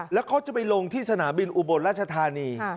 แล้วเขาจะไปลงที่สนามบินอุบลราชธานี